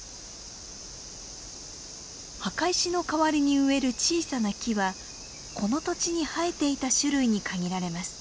墓石の代わりに植える小さな木はこの土地に生えていた種類に限られます。